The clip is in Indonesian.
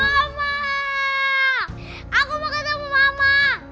mama aku mau ketemu mama